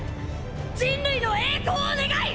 人類の栄光を願い！